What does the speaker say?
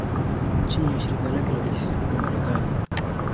chini ya Shirika lake la Ujasusi huko Marekani